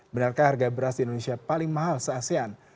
benarkah harga beras di indonesia paling mahal se asean